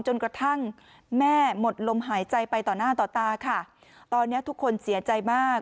จนกระทั่งแม่หมดลมหายใจไปต่อหน้าต่อตาค่ะตอนนี้ทุกคนเสียใจมาก